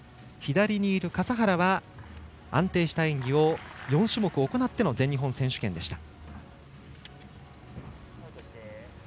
笠原は安定した演技を４種目行っての全日本選手権でした。